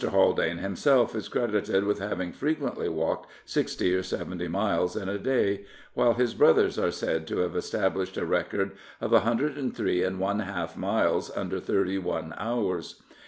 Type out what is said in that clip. Haldane himself is credited with having frequently walked sixty or seventy miles in a day; while his brothers are said to have established a record of 103 J miles under thirty one hours.